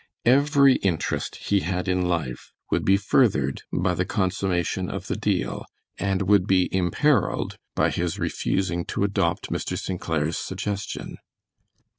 Every interest he had in life would be furthered by the consummation of the deal, and would be imperiled by his refusing to adopt Mr. St. Clair's suggestion.